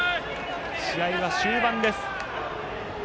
試合は終盤です。